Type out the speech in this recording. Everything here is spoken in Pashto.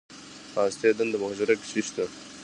د هستې دنده په حجره کې څه ده